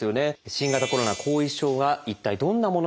新型コロナ後遺症は一体どんなものなのか？